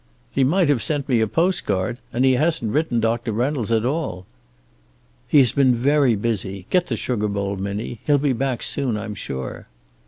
"He might have sent me a postcard. And he hasn't written Doctor Reynolds at all." "He has been very busy. Get the sugar bowl, Minnie. He'll be back soon, I'm sure."